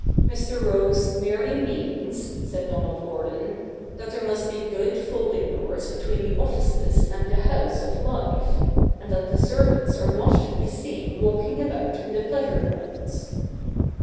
' ]\Ir. Rose merely means,' said Donald Gordon, ' that there must be good folding doors between the offices and the house of life; and that the servants are not to be seen walking about in the pleasure grounds.'